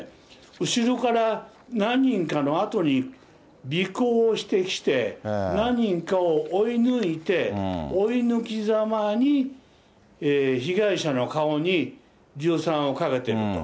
後ろから何人かのあとに尾行をしてきて、何人かを追い抜いて、追い抜きざまに、被害者の顔に硫酸をかけてると。